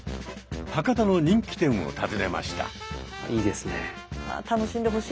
博多の人気店を訪ねました。